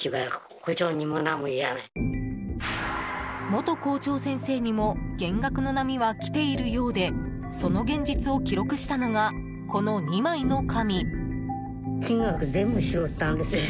元校長先生にも減額の波は来ているようでその現実を記録したのがこの２枚の紙。